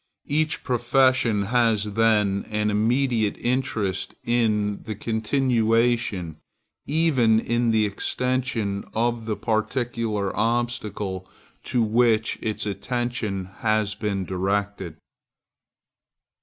Each profession has then an immediate interest in the continuation, even in the extension, of the particular obstacle to which its attention has been directed.